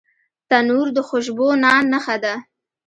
تنور د خوشبو نان نښه ده